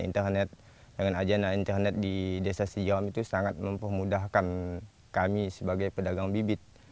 internet dengan ajana internet di desa sijam itu sangat mempermudahkan kami sebagai pedagang bibit